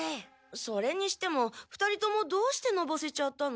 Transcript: それにしても２人ともどうしてのぼせちゃったの？